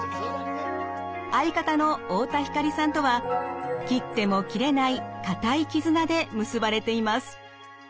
相方の太田光さんとは切っても切れない固い絆で結ばれています。